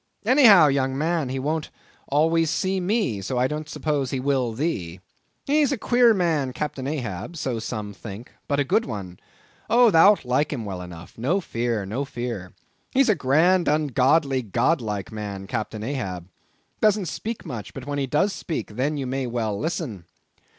Any how, young man, he won't always see me, so I don't suppose he will thee. He's a queer man, Captain Ahab—so some think—but a good one. Oh, thou'lt like him well enough; no fear, no fear. He's a grand, ungodly, god like man, Captain Ahab; doesn't speak much; but, when he does speak, then you may well listen.